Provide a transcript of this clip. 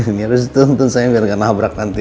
ini harus dituntun saya biar gak nabrak nanti